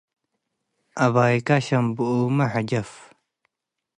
አባይከ ሸምቡእመ ሕጀፍ።